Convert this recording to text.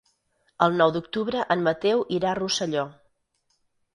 El nou d'octubre en Mateu irà a Rosselló.